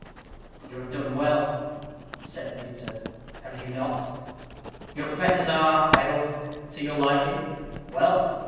"You have done well," said Peter, "have you not? Your fetters are, I hope, to your liking. Well!